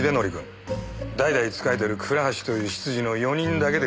代々仕えてる倉橋という執事の４人だけで暮らしてるようです。